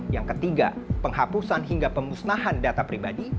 yang ketiga penghapusan hingga pemusnahan data pribadi